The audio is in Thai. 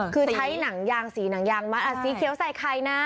คือใช้หนังยางสีหนังยางมัดสีเขียวใส่ไข่นะ